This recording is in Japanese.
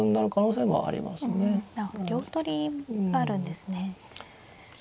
あっ両取りあるんですね。